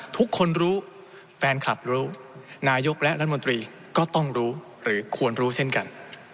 ทุกคนรู้แฟนคลับรู้นายกและรัฐมนตรีก็ต้องรู้หรือควรรู้เช่นกัน